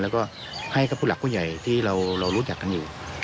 แล้วก็ให้กับผู้หลักผู้ใหญ่ที่เรารู้จักกันอยู่